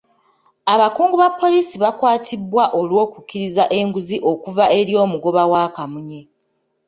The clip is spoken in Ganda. Abakungu ba poliisi baakwatibwa olw'okukkiriza enguzi okuva eri omugoba wa kamunye.